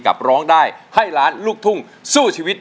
ร้องได้ให้ล้านลูกทุ่งสู้ชีวิต